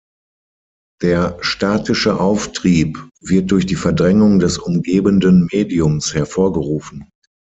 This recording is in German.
Der statische Auftrieb wird durch die Verdrängung des umgebenden Mediums hervorgerufen.